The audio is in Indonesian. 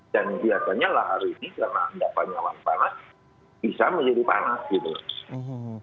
dan biasanya lahar ini karena dapatnya awan panas bisa menjadi panas gitu